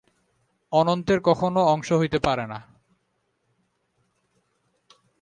অনন্তের কখনও অংশ হইতে পারে না।